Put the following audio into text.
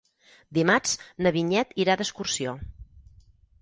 Dimarts na Vinyet irà d'excursió.